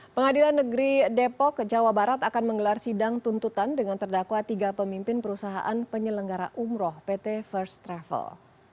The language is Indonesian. pengadilan negeri depok jawa barat akan menggelar sidang tuntutan dengan terdakwa tiga pemimpin perusahaan penyelenggara umroh pt first travel